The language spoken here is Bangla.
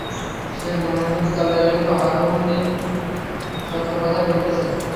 সে মনের মধ্যে তলাইয়া দেখিল হরিমোহিনী সত্য কথাই বলিতেছেন।